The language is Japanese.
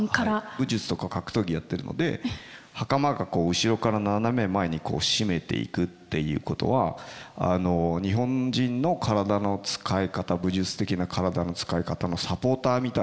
武術とか格闘技やってるので袴がこう後ろから斜め前に締めていくっていうことは日本人の武術的な体の使い方のサポーターみたいな要素を僕は感じていて。